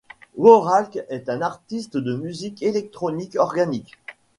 Worakls est un artiste de musique électronique organique.